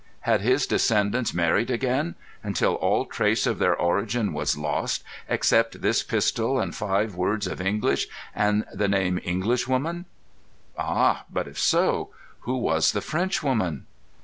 Had his descendants married again, until all trace of their origin was lost except this pistol and five words of English, and the name "Englishwoman"? Ah! but if so, who was the Frenchwoman?